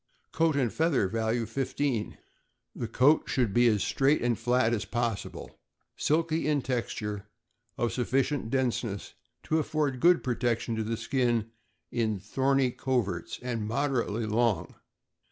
Coat and feather (value 15). — The coat should be as straight and flat as possible, silky in texture, of sufficient THE FIELD SPANIEL. 335 denseness to afford good protection to the skin in thorny coverts, and moderately long.